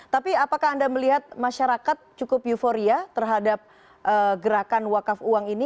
tapi apakah anda melihat masyarakat cukup euforia terhadap gerakan wakaf uang ini